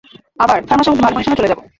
আবার, ছয় মাসের মধ্যে ভালো পজিশনেও চলে যাব।